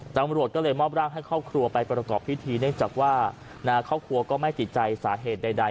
ตำรวจก็เลยมอบร่างให้ครอบครัวไปประกอบพิธีเนื่องจากว่าครอบครัวก็ไม่ติดใจสาเหตุใด